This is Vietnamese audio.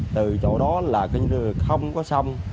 từ chỗ đó là không có xong